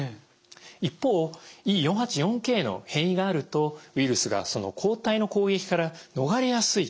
一方Ｅ４８４Ｋの変異があるとウイルスがその抗体の攻撃から逃れやすい。